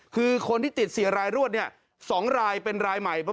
คือคนที่ติด๔รายรวดเนี่ย๒รายเป็นรายใหม่